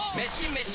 メシ！